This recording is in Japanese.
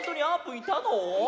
いたの？